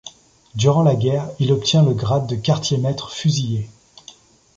Durant la guerre, il obtient le grade de Quartier-maître fusilier.